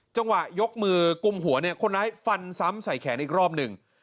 จังหวะยกมือกุมหัวเนี่ยคนร้ายฟันซ้ำใส่แขนอีกรอบหนึ่ง